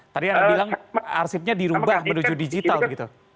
tadi yang anda bilang arsipnya dirubah menuju digital gitu